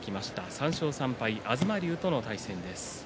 ３勝３敗で東龍との対戦です。